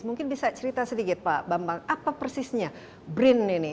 mungkin bisa cerita sedikit pak bambang apa persisnya brin ini